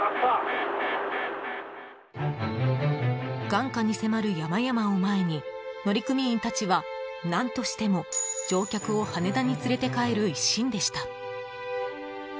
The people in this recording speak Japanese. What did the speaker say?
眼下に迫る山々を前に乗組員たちは何としても乗客を羽田に連れて帰る一心でした。